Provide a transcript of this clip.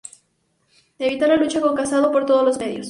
Evitar la lucha con Casado por todos los medios".